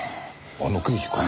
あの刑事か。